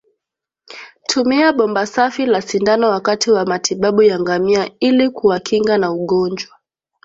Tumia bomba safi la sindano wakati wa matibabu ya ngamia ili kuwakinga na ugonjwa